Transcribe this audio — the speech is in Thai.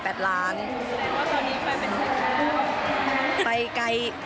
แสดงว่าตอนนี้ไปเป็นไหนครับ